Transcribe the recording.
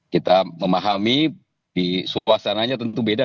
kita memahami suasananya tentu beda